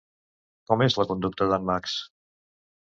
Com és la conducta d'en Max?